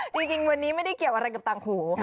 จริงวันนี้ไม่ได้เกี่ยวอะไรกับต่างหู